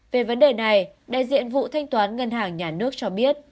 về vấn đề này đại diện vụ thanh toán ngân hàng nhà nước cho biết